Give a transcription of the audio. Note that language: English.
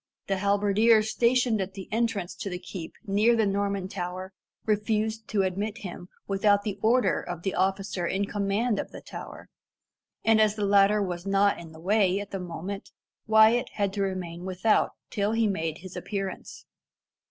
The halberdier stationed at the entrance to the keep near the Norman Tower refused to admit him without the order of the officer in command of the tower, and as the latter was not in the way at the moment, Wyat had to remain without till he made his appearance.